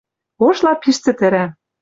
Ошлап пиш цӹтӹрӓ